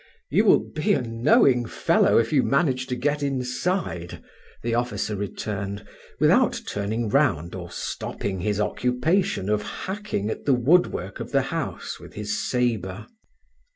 "You will be a knowing fellow if you manage to get inside," the officer returned, without turning round or stopping his occupation of hacking at the woodwork of the house with his sabre.